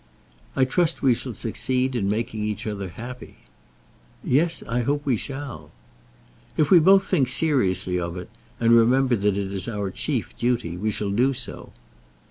"I trust we shall succeed in making each other happy." "Yes; I hope we shall." "If we both think seriously of it, and remember that that is our chief duty, we shall do so."